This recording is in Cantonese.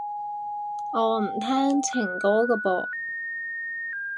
我唔聽情歌㗎噃